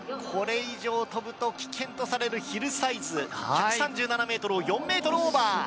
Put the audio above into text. これ以上飛ぶと危険とされるヒルサイズ１３７ｍを４ｍオーバー！